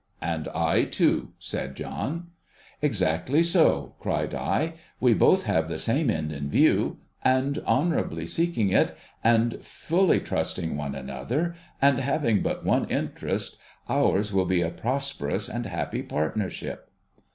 ' And I, too,' said John. ' Exactly so !' cried I. ' A\'e botli have the same end in view; and, honourably seeking it, and fully trusting one another, and having but one interest, ours will be a prosperous and happy partnership.'